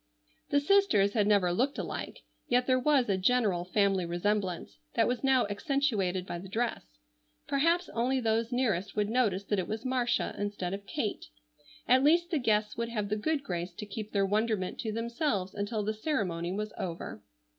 The sisters had never looked alike, yet there was a general family resemblance that was now accentuated by the dress; perhaps only those nearest would notice that it was Marcia instead of Kate. At least the guests would have the good grace to keep their wonderment to themselves until the ceremony was over.